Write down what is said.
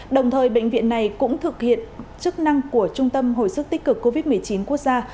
đồng thời bệnh viện này cũng thực hiện chức năng của trung tâm hồi sức tích cực covid một mươi chín quốc gia